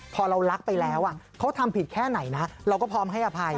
พอเรารักไปแล้วเขาทำผิดแค่ไหนนะเราก็พร้อมให้อภัย